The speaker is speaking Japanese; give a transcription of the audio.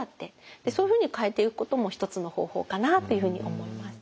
そういうふうに変えていくことも一つの方法かなっていうふうに思います。